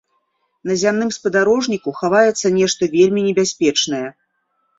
На зямным спадарожніку хаваецца нешта вельмі небяспечнае.